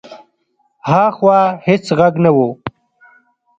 هاخوا هېڅ غږ نه و.